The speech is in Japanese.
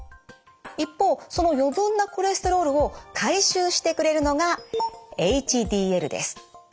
一方その余分なコレステロールを回収してくれるのがＨＤＬです。